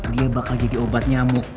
dia bakal jadi obat nyamuk